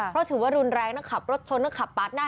เพราะถือว่ารุนแรงนะขับรถชนต้องขับปาดหน้า